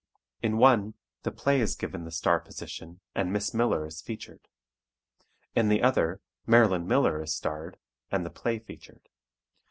In one, the play is given the star position and Miss Miller is featured; in the other, Marilyn Miller is starred and the play featured.